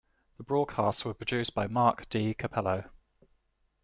The broadcasts were produced by Marc D. Cappello.